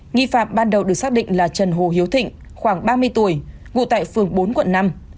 nghi phạm ban đầu được xác định là trần hồ hiếu thịnh khoảng ba mươi tuổi ngụ tại phường bốn quận năm